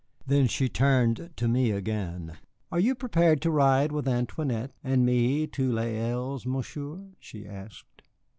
Then she turned to me again. "Are you prepared to ride with Antoinette and me to Les Îles, Monsieur?" she asked.